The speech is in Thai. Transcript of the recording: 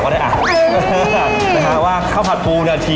ได้รวยความรู้ไว